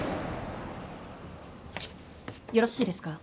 よろしいですか？